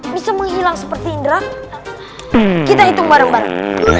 bisa menghilang seperti indra kita hitung bareng bareng